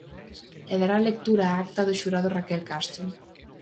E dará lectura á acta do xurado Raquel Castro.